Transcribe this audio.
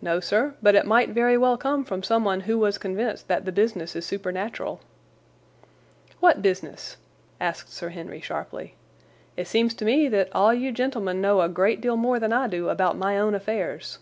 "No, sir, but it might very well come from someone who was convinced that the business is supernatural." "What business?" asked Sir Henry sharply. "It seems to me that all you gentlemen know a great deal more than I do about my own affairs."